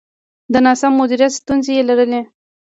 د ناسم مدیریت ستونزې یې لرلې.